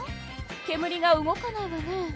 けむりが動かないわね。